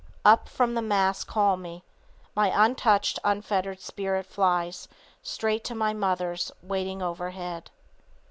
Up from the Mass call me, My untouched, unfettered spirit flies Straight to mother's waiting overhead.